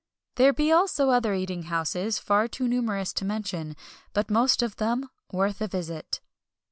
There be also other eating houses, far too numerous to mention, but most of them worth a visit.